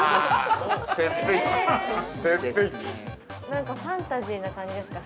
◆なんかファンタジーな感じですか。